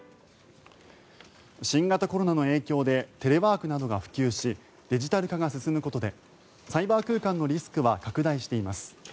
新型コロナの影響でテレワークなどが普及しデジタル化が進むことでサイバー空間のリスクは拡大しています。